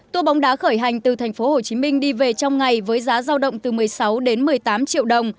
tour bóng đá khởi hành từ thành phố hồ chí minh đi về trong ngày với giá giao động từ một mươi sáu đến một mươi tám triệu đồng